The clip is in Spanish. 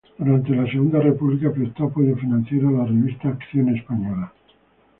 Durante la Segunda República prestó apoyo financiero a la revista "Acción Española".